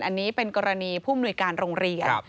อันนี้เป็นกรณีผู้มนุยการโรงเรียน